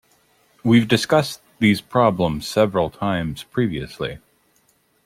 We've discussed these problems several times previously